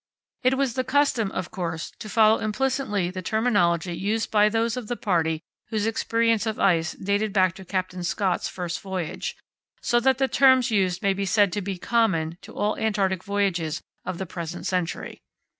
It was the custom, of course, to follow implicitly the terminology used by those of the party whose experience of ice dated back to Captain Scott's first voyage, so that the terms used may be said to be common to all Antarctic voyages of the present century.